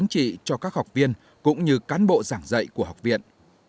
trị cho các học viên cũng như cán bộ giảng dạy của học viện